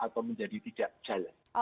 atau menjadi tidak jalan